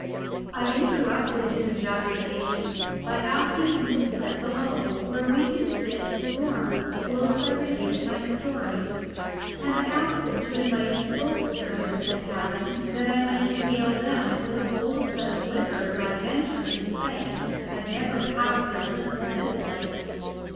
I interrupted his ejaculations by asking him to step below, where we could sit warm whilst I related my story, and I asked him to invite his boat's crew into the cabin that I might regale them with a bowl of such liquor as I ventured to say had never passed their lips in this life.